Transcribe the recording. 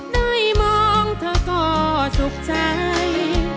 ได้มองเธอก็สุขใจ